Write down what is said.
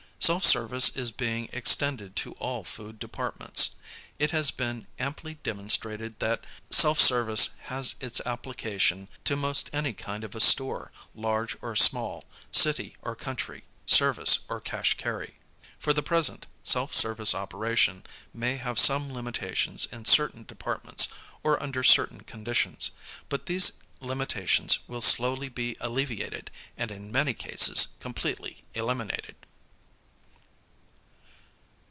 Self service is being ex tended to all food departments. It has been amply demonstrated that self service has its application to most any kind of a store, large or small, city or country, service or cash carry. For the present self service operation may have some limitations in certain departments or under certain conditions. But these limitations will slowly be alleviated and in many cases completely eliminated.